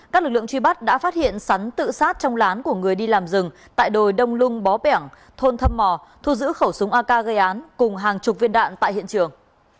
các lực lượng truy bắt đã phát hiện sắn tự sát trong lán của người đi làm rừng tại đồi đông lung bó bẻng thôn thâm mò thu giữ khẩu súng ak gây án cùng hàng chục viên đạn tại hiện trường